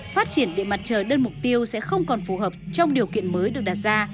phát triển điện mặt trời đơn mục tiêu sẽ không còn phù hợp trong điều kiện mới được đặt ra